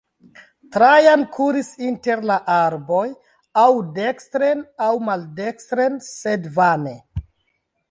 Trajan kuris inter la arboj, aŭ dekstren aŭ maldekstren, sed vane.